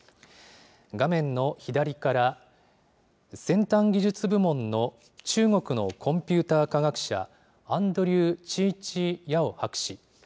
画面の左から、先端技術部門の中国のコンピューター科学者、アンドリュー・チーチー・ヤオ博士。